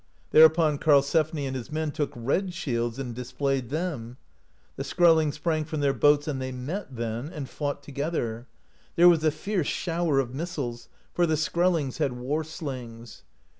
Thereupon Karlsefni and his men took red shields (53) and displayed them. The Skrellings sprang from their boats, and they met then, and fought to j^ether. There was a fierce shower of missiles, for the Skrellings had war slings.